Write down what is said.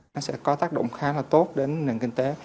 nó sẽ có tác động khá là tốt đến nền kinh tế